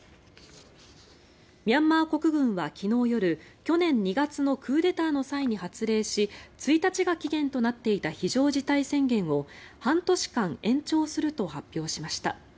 ミャンマー国軍は昨日夜去年２月のクーデターの際に発令し１日が期限となっていた非常事態宣言を半年間延長すると発表しました。